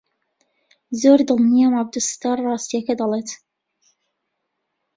زۆر دڵنیام عەبدولستار ڕاستییەکە دەڵێت.